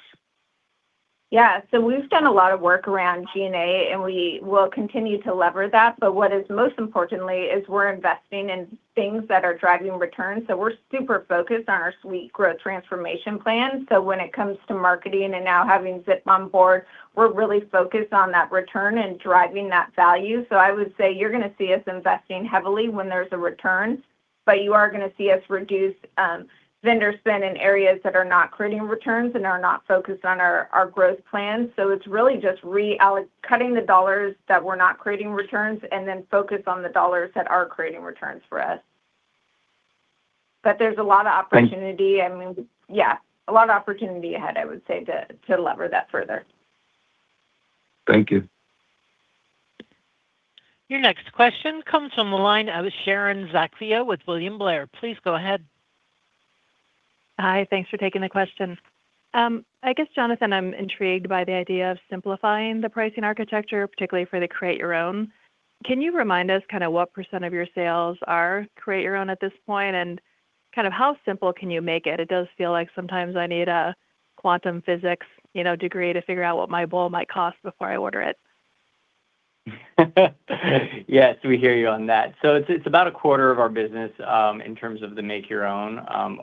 We've done a lot of work around G&A, and we will continue to lever that. What is most importantly is we're investing in things that are driving returns. We're super focused on our Sweet Growth Transformation Plan. When it comes to marketing and now having Zip on board, we're really focused on that return and driving that value. I would say you're gonna see us investing heavily when there's a return, but you are gonna see us reduce vendor spend in areas that are not creating returns and are not focused on our growth plans. It's really just cutting the dollars that were not creating returns and then focus on the dollars that are creating returns for us. There's a lot of opportunity. Thank- I mean, yeah, a lot of opportunity ahead, I would say to lever that further. Thank you. Your next question comes from the line of Sharon Zackfia with William Blair. Please go ahead. Hi. Thanks for taking the question. I guess, Jonathan, I'm intrigued by the idea of simplifying the pricing architecture, particularly for the Create Your Own. Can you remind us kinda what % of your sales are Create Your Own at this point, and kind of how simple can you make it? It does feel like sometimes I need a quantum physics, you know, degree to figure out what my bowl might cost before I order it. Yes, we hear you on that. It's about a quarter of our business, in terms of the Make Your Own.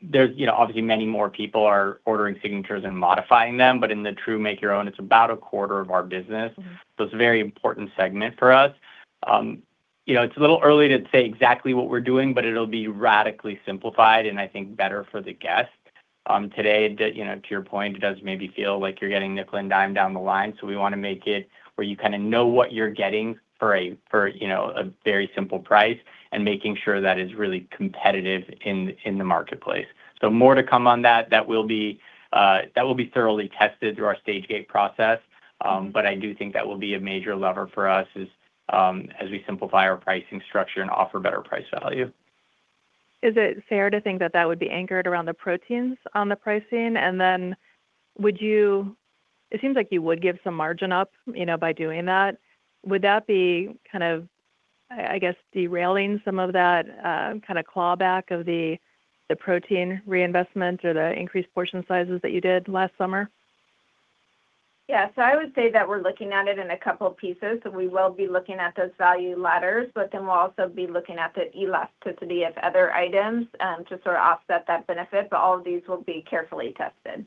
There's, you know, obviously many more people are ordering signatures and modifying them, but in the true Make Your Own, it's about a quarter of our business. Mm-hmm. It's a very important segment for us. You know, it's a little early to say exactly what we're doing, but it'll be radically simplified and I think better for the guest. Today, the, you know, to your point, it does maybe feel like you're getting nickel and dimed down the line. We wanna make it where you kinda know what you're getting for a, you know, a very simple price and making sure that is really competitive in the marketplace. More to come on that. That will be thoroughly tested through our stage-gate process. I do think that will be a major lever for us as we simplify our pricing structure and offer better price value. Is it fair to think that that would be anchored around the proteins on the pricing? It seems like you would give some margin up, you know, by doing that. Would that be kind of, I guess, derailing some of that, kinda clawback of the protein reinvestment or the increased portion sizes that you did last summer? Yeah. I would say that we're looking at it in a couple pieces, and we will be looking at those value ladders, but then we'll also be looking at the elasticity of other items, to sort of offset that benefit. All of these will be carefully tested.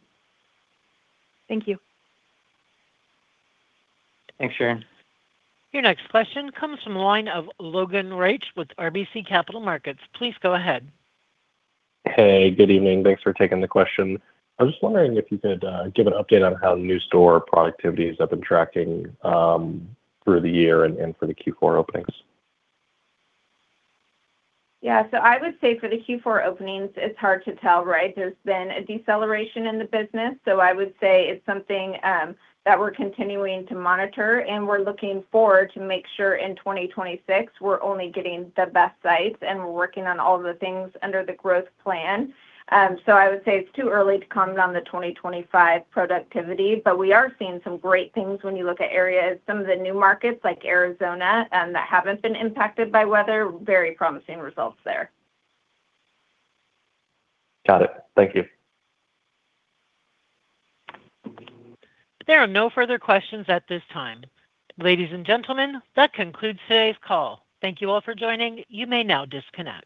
Thank you. Thanks, Sharon. Your next question comes from the line of Logan Reich with RBC Capital Markets. Please go ahead. Hey, good evening. Thanks for taking the question. I was just wondering if you could give an update on how new store productivity has been tracking through the year and for the Q4 openings. I would say for the Q4 openings, it's hard to tell, right? There's been a deceleration in the business. So I would say it's something that we're continuing to monitor, and we're looking forward to make sure in 2026 we're only getting the best sites, and we're working on all the things under the growth plan. So I would say it's too early to comment on the 2025 productivity, but we are seeing some great things when you look at areas, some of the new markets like Arizona that haven't been impacted by weather. Very promising results there. Got it. Thank you. There are no further questions at this time. Ladies and gentlemen, that concludes today's call. Thank you all for joining. You may now disconnect.